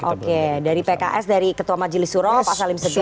oke dari pks dari ketua majelis suro pak salim segitu